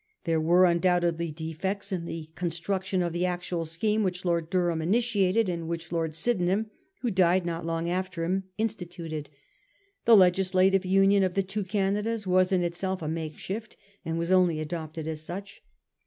There were undoubtedly defects in the construction of the actual scheme which Lord Dur ham initiated, and which Lord Sydenham, who died not long after him, instituted. The legislative union of the two Canadas was in itself a makeshift, and was only adopted as such.